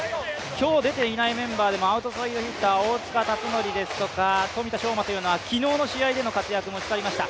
今日、出ていないメンバーでもアウトサイドヒッター、大塚達宣ですとか富田将馬というのは昨日の試合での活躍も光りました。